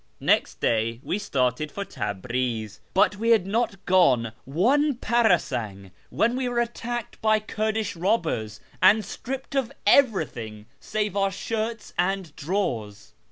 Next day we started for Tabriz, but we liad not gone one parasan<r when we were attacked by Kurdish robbers and stripped of everything save our shirts and drawers.